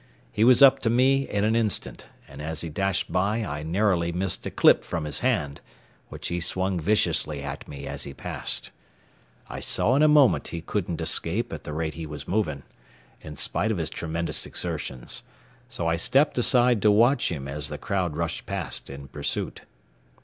He was up to me in an instant, and as he dashed by I narrowly missed a clip from his hand, which he swung viciously at me as he passed. I saw in a moment he couldn't escape at the rate he was moving, in spite of his tremendous exertions, so I stepped aside to watch him as the crowd rushed past in pursuit.